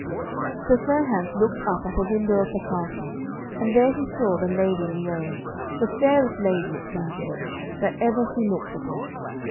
Sir Fair hands looked up at a window of the castle, and there he saw the Lady Liones, the fairest lady, it seemed to him, that ever he looked upon.